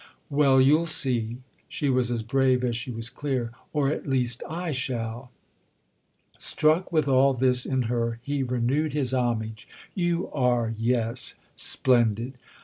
"Well, you'll see." She was as brave as she was clear. "Or at least I shall!" Struck with all this in her he renewed his homage. "You are, yes, splendid!"